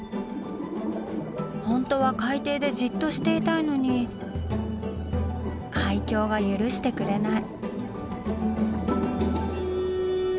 ホントは海底でじっとしていたいのに海峡が許してくれない。